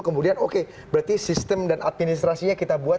kemudian oke berarti sistem dan administrasinya kita buat